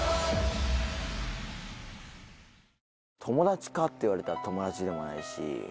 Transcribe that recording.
友達かって言われたら友達でもないし。